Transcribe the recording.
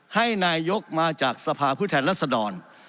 ให้นายกมาจากสภาพผู้แทนรัศดร